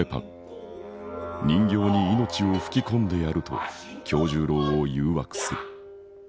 人形に命を吹き込んでやると今日十郎を誘惑する。